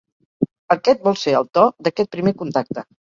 Aquest vol ser el to d'aquest primer contacte